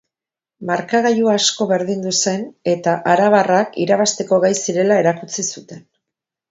Markagailua asko berdindu zen eta arabarrak irabazteko gai zirela erakutsi zuten.